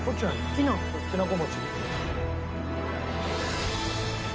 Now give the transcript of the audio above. きな粉餅？